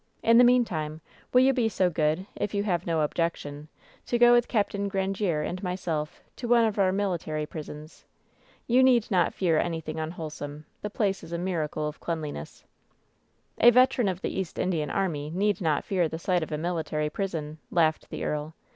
In the meantime, will you be so good, if you have no objection, to go with Capt. Grandiere and my self to one of our military prisons ? You need not fear anything imwholesome. The place is a miracle of clean liness." WHEN SHADOWS DIE 261 "A veteran of the East Indian army need not fear the sight of a military prison," laughed the earl.